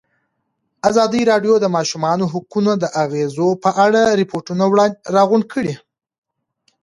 ازادي راډیو د د ماشومانو حقونه د اغېزو په اړه ریپوټونه راغونډ کړي.